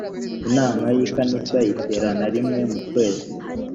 inama y i kanisa iterana rimwe mu kwezi